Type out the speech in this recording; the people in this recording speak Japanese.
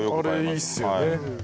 あれいいっすよね。